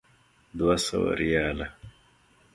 دوه سوه ریاله.